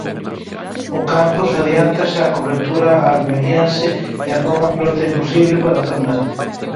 Ocampos adiántase á cobertura almeriense e pon a pelota imposible para Fernando.